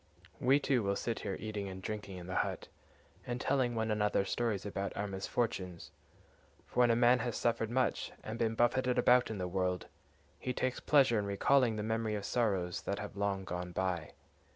We too will sit here eating and drinking in the hut, and telling one another stories about our misfortunes; for when a man has suffered much, and been buffeted about in the world, he takes pleasure in recalling the memory of sorrows that have long gone by.